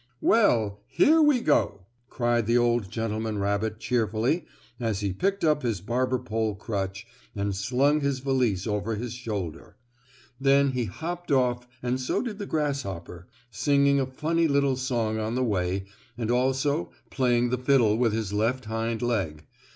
"Well, here we go!" cried the old gentleman rabbit cheerfully as he picked up his barber pole crutch and slung his valise over his shoulder. Then he hopped off and so did the grasshopper, singing a funny little song on the way, and also playing the fiddle with his left hind leg.